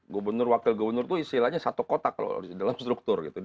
gubernur wakil gubernur itu istilahnya satu kotak loh dalam struktur gitu